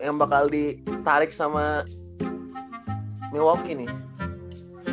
yang bakal ditarik sama milwaukee nih